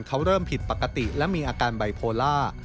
เขาเริ่มผิดปกติและมีอาการไบโพล่า